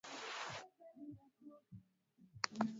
madaktari wanapendekeza matumizi ya mpira wa kondomu